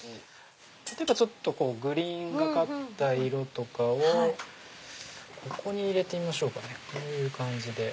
ちょっとグリーンがかった色とかをここに入れてみましょうかねこういう感じで。